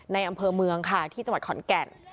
อำเภอเมืองค่ะที่จังหวัดขอนแก่น